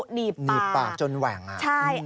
หนีบหนีบปากจนแหว่งอ่ะใช่